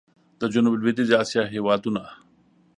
د جنوب لوېدیځي اسیا هېوادونه